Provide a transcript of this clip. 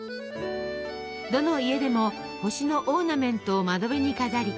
どの家でも星のオーナメントを窓辺に飾り